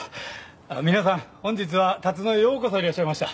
あっ皆さん本日は龍野へようこそいらっしゃいました。